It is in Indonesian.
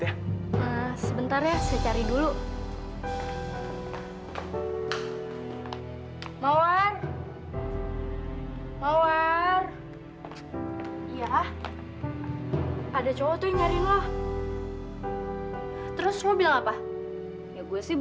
eh yaudah kalau gitu